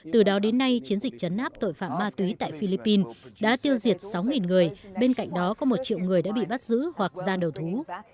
từ đó đến nay chiến dịch chấn áp tội phạm ma túy tại philippines đã tiêu diệt sáu người bên cạnh đó có một triệu người đã bị bắt giữ hoặc ra đầu thú